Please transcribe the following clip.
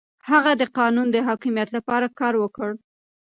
هغه د قانون د حاکميت لپاره کار وکړ.